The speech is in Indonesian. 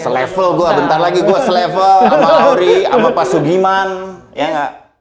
selevel gua bentar lagi gua selevel ama ori ama pak sugiman ya ngga